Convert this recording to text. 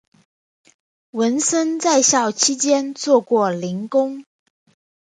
文森在校期间做过零工。